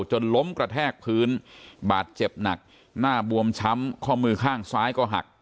จนล้มกระแทกพื้นบาดเจ็บหนักหน้าบวมช้ำข้อมือข้างซ้ายก็หัก